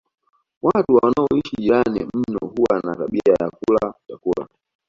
Watu wanaoishi jirani mno huwa na tabia ya kula chakula